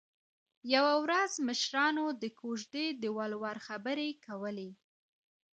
یوه ورځ مشرانو د کوژدې د ولور خبرې کولې